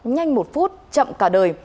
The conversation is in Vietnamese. nhanh một phút chậm cả đời